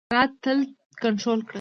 سرعت تل کنټرول کړه.